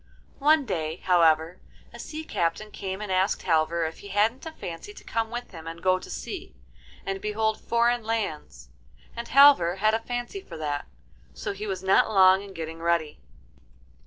One day, however, a sea captain came and asked Halvor if he hadn't a fancy to come with him and go to sea, and behold foreign lands. And Halvor had a fancy for that, so he was not long in getting ready.